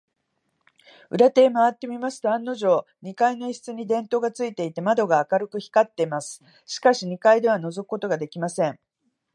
裏手へまわってみますと、案のじょう、二階の一室に電燈がついていて、窓が明るく光っています。しかし、二階ではのぞくことができません。